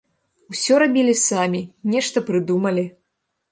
Усё рабілі самі, нешта прыдумалі.